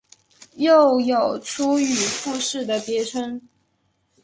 又有出羽富士的别称。